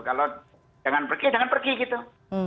kalau jangan pergi jangan pergi gitu